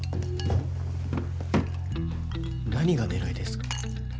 何が狙いですか？